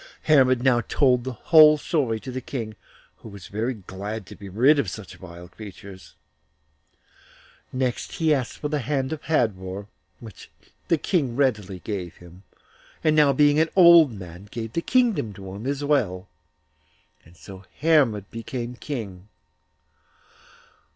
Hermod now told the whole story to the King, who was very glad to be rid of such vile creatures. Next he asked for the hand of Hadvor, which the King readily gave him, and being now an old man, gave the kingdom to him as well; and so Hermod became King.